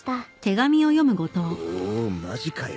おおマジかよ。